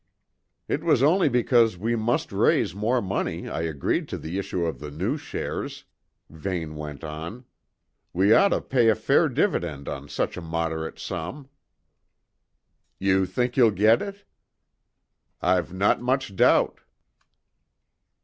"It was only because we must raise more money I agreed to the issue of the new shares," Vane went on. "We ought to pay a fair dividend on such a moderate sum." "You think you'll get it?" "I've not much doubt."